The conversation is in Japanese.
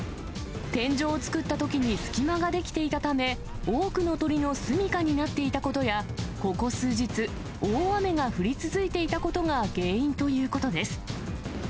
天井を作ったときに隙間が出来ていたため、多くの鳥の住みかになっていたことや、ここ数日、大雨が降り続いていたことが原因ということです。